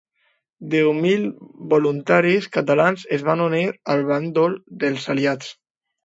Deu mil voluntaris catalans es van unir al bàndol dels aliats.